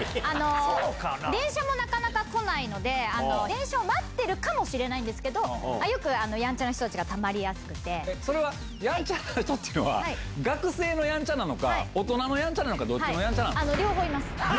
電車もなかなか来ないので、電車を待ってるかもしれないんですけど、よく、やんちゃな人たちえ、それはやんちゃな人っていうのは、学生のやんちゃなのか、大人のやんちゃなのか、どっちの両方います。